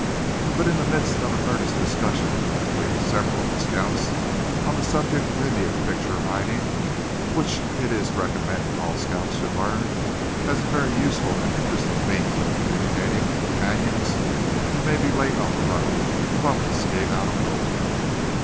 But in the midst of an earnest discussion between several of the scouts on the subject of Indian picture writing, which it is recommended all scouts should learn as a very useful and interesting means for communicating with companions who may be late on the road, Bumpus gave out a roar.